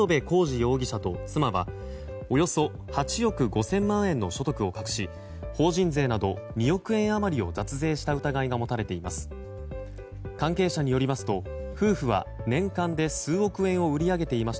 容疑者と妻はおよそ８億５０００万円の所得を隠し法人税など、２億円余りを脱税した疑いが持たれています。